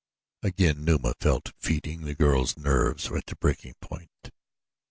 Again Numa fell to feeding. The girl's nerves were at the breaking point.